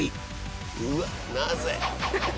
うわっなぜ。